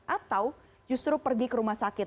atau justru pergi ke rumah sakit